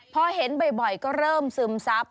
พอเห็นบ่อยก็เริ่มซึมซับ